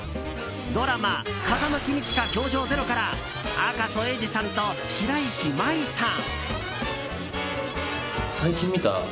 ドラマ「風間公親‐教場０‐」から赤楚衛二さんと白石麻衣さん。